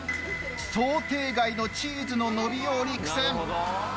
想定外のチーズの伸びように苦戦。